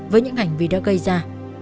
với những hành vi đó gây ra